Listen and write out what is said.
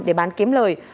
để bán kiếm lời